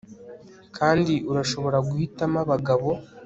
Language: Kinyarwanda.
kandi urashobora guhitamo abagabo